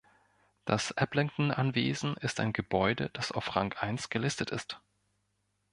Das Ablington Anwesen ist ein Gebäude, das auf Rang eins gelistet ist.